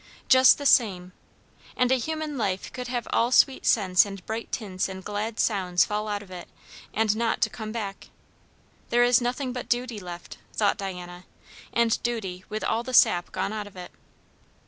Just the same! and a human life could have all sweet scents and bright tints and glad sounds fall out of it, and not to come back! There is nothing but duty left, thought Diana; and duty with all the sap gone out of it.